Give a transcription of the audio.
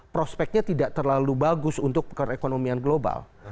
prospeknya tidak terlalu bagus untuk perekonomian global